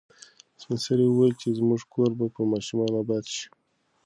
سپین سرې وویل چې زموږ کور به په ماشومانو اباد شي.